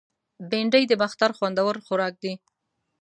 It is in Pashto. بېنډۍ د باختر خوندور خوراک دی